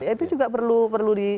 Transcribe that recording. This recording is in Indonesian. itu juga perlu